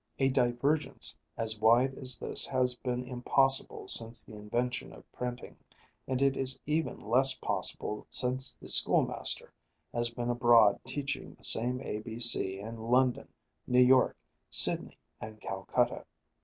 A divergence as wide as this has been impossible since the invention of printing, and it is even less possible since the school master has been abroad teaching the same A B C in London, New York, Sydney, and Calcutta.